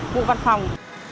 vụ văn phòng